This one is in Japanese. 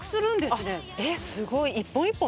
すごい。